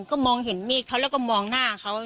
ก็มองเห็นมีดเขาแล้วก็มองหน้าเขา